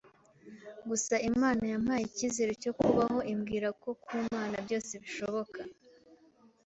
Gusa Imana yampaye icyizere cyo kubaho, imbwira ko ku Mana byose bishoboka!